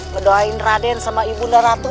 mendoain raden sama ibu naratu